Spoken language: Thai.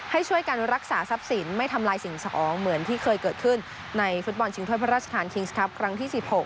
ให้ช่วยกันรักษาทรัพย์สินไม่ทำลายสิ่งสมองเหมือนที่เคยเกิดขึ้นในฟุตบอลชิงถ้วยพระราชทานคิงส์ครับครั้งที่๑๖